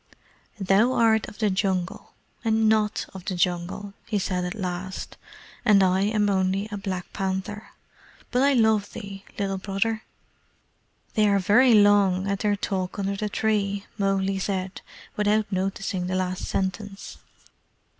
"Thou art of the Jungle and NOT of the Jungle," he said at last. "And I am only a black panther. But I love thee, Little Brother." "They are very long at their talk under the tree," Mowgli said, without noticing the last sentence.